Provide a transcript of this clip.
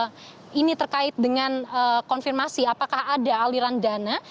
yang memang benar ini terkait dengan konfirmasi apakah ada aliran dana